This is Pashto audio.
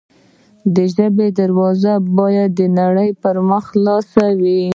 د ژبې دروازې باید د نړۍ پر مخ خلاصې وي.